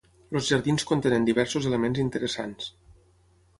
Els jardins contenen diversos elements interessants.